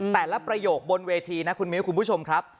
ประโยคบนเวทีนะคุณมิ้วคุณผู้ชมครับ